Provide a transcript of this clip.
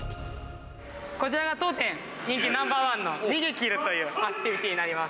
こちらが当店人気ナンバー１のニゲキルというアクティビティーになります。